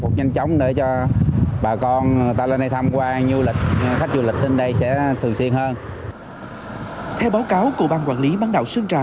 theo báo cáo của ban quản lý bán đảo sơn trà